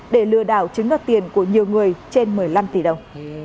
để lừa đảo chứng đất tiền của nhiều người trên một mươi năm tỷ đồng